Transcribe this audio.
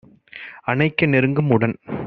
அணைக்க நெருங்கும் - உடன்